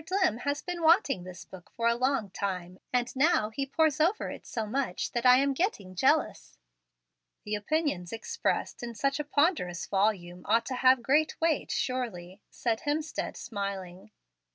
Dlimm has been wanting this book a long time, and now he pores over it so much that I am getting jealous." "The opinions expressed in such a ponderous volume ought to have great weight, surely," said Hemstead, smiling.